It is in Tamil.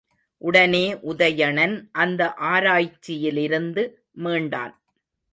உடனே உதயணன் அந்த ஆராய்ச்சியிலிருந்து மீண்டான்.